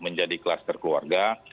menjadi kluster keluarga